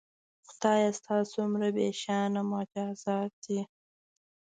خدایه ستا څومره بېشانه معجزات دي